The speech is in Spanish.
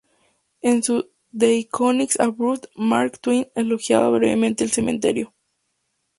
En su "The Innocents Abroad", Mark Twain elogia brevemente el cementerio.